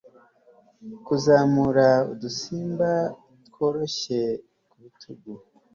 kuzamura udusimba tworoshye ku bitugu